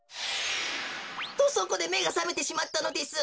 とそこでめがさめてしまったのです。